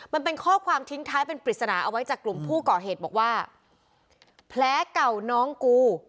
มันเป็นข้อความทิ้งท้ายเป็นปริศนาเอาไว้จากกลุ่มผู้ก่อเหตุบอกว่าแผลเก่าน้องกู